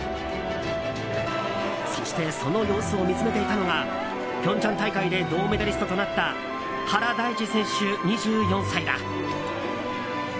そしてその様子を見つめていたのが平昌大会で銅メダリストとなった原大智選手、２４歳だ。